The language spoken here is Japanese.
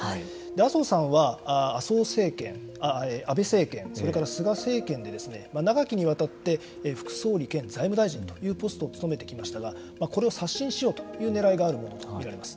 麻生さんは安倍政権それから菅政権で長きにわたって副総裁兼財務大臣というポストをしてきましたがこれを刷新しようという狙いがあるものと見られます。